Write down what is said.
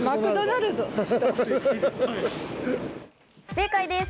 正解です。